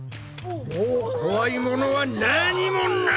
もう怖いものは何もない！